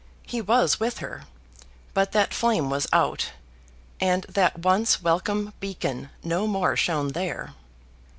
He was with her, but that flame was out: and that once welcome beacon no more shone there.